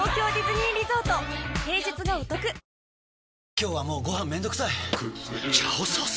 今日はもうご飯めんどくさい「炒ソース」！？